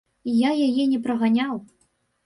Я яе не праганяў.